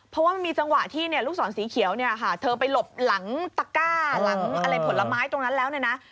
เพราะมีสมัครที่ลูกศรสีเขียวหากเธอไปหลบหลังตาก้าหลังผลไม้ตรงนั้นแล้วนี่นะ